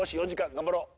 頑張ろう。